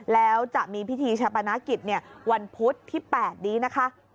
แล้วจะมีพิธีชาปนกิจวันพุธที่๘นี้นะคะ